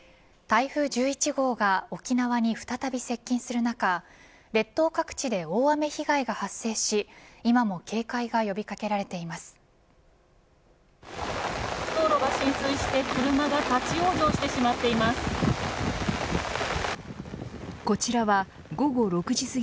台風１１号が沖縄に再び接近する中列島各地で、大雨被害が発生し今も警戒が呼び掛けられています。